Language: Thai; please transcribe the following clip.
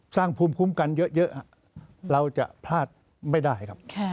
สร้างภูมิคุ้มกันเยอะเราจะพลาดไม่ได้ครับ